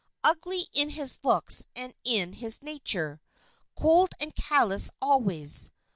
Ugly in his looks and in his nature. Cold and callous always.